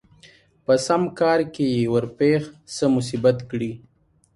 په سم کار کې يې ورپېښ څه مصيبت کړي